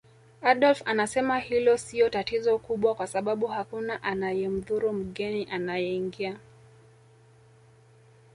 Adolf anasema hilo siyo tatizo kubwa kwa sababu hakuna anayemdhuru mgeni anayeingia